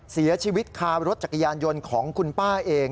เสียชีวิตคารถจักรยานยนต์ของคุณป้าเอง